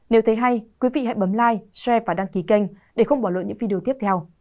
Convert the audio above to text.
nếu thấy hay quý vị hãy bấm live strea và đăng ký kênh để không bỏ lỡ những video tiếp theo